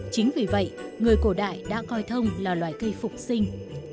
chính vì vậy người cổ đại đã coi thông là loài cây phục sinh